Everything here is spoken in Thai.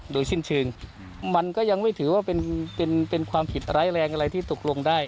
โดยสิ้นเชิงมันก็ยังไม่ถือว่าเป็นความผิดร้ายแรงอะไรที่ตกลงได้